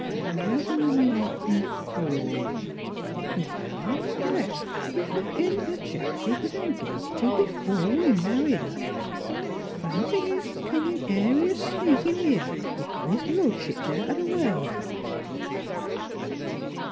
" The Keverend Malcolm Forde. Why, I'm blest if that isn't the chap she was engaged to before we married her ! Fancy his coming area sneaking here whilehis Ludship'sout of the way."